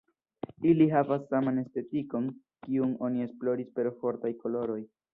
Ili havas saman estetikon, kiun oni esploris per fortaj koloroj.